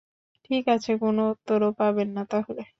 ঠিক আছে, কোনো উত্তরও পাবেন না তাহলে।